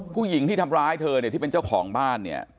ผู้หญิงที่ทำร้ายเธอเนี่ยที่เป็นเจ้าของบ้านเนี่ย